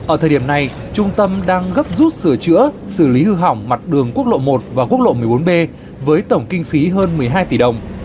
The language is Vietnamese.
ở thời điểm này trung tâm đang gấp rút sửa chữa xử lý hư hỏng mặt đường quốc lộ một và quốc lộ một mươi bốn b với tổng kinh phí hơn một mươi hai tỷ đồng